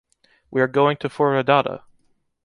We are going to Foradada.